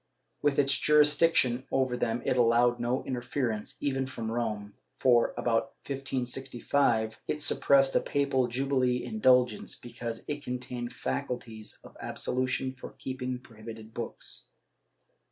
With its jurisdiction over them it allowed no interference, even from Rome, for, about 1565, it suppressed a papal jubilee indulgence, because it contained faculties of absolution for keeping prohibited books.